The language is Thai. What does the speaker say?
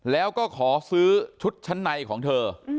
แล้วก็ขอซื้อชุดชั้นในของเธอ